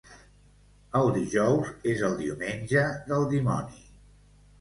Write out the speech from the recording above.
El dijous és el diumenge del dimoni.